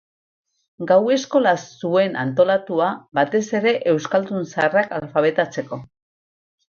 Gau eskola zuen antolatua, batez ere euskaldun zaharrak alfabetatzeko.